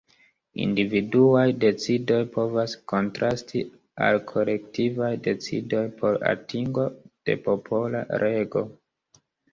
Individuaj decidoj povas kontrasti al kolektivaj decidoj por atingo de popola rego.